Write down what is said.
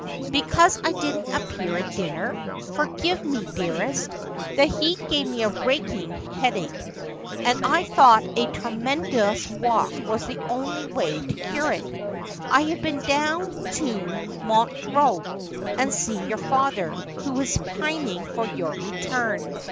' Because I didn't appear at dinner ? Forgive me, dearest. The heat gave me a racking headache, and I thought a tremend ous walk was the only way to cure it. I have been down to Montreux, and seen your father, who is pining for your return.